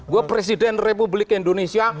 gue presiden republik indonesia